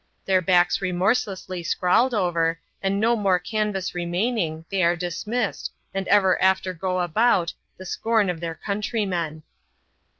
Their backs remorselessly scrawled over, and no more canvas remaining, they are dismissed, and ever after go about, the scorn of their countrymen.